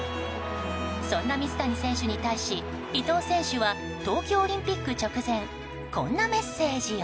そんな水谷選手に対し伊藤選手は東京オリンピック直前こんなメッセージを。